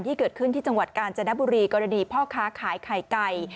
ที่เกิดขึ้นที่จังหวัดกาญจนบุรีกรณีพ่อค้าขายไข่ไก่